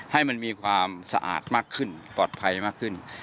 ให้มันมีความสะอาดมากขึ้นปลอดภัยมากขึ้น